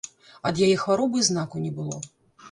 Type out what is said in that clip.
Ад яе хваробы і знаку не было.